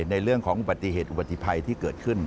ในเรื่องของอุบัติเหตุอุบัติภัยที่เกิดขึ้น